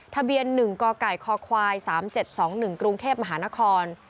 ทะเบียน๑กกคควาย๓๗๒๑กรุงเทพมหานคร